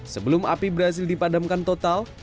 sebelum api berhasil dipadamkan total